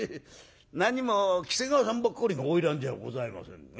何も喜瀬川さんばっかりが花魁じゃございませんでね。